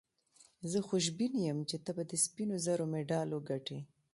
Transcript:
زه خوشبین یم چي ته به د سپینو زرو مډال وګټې.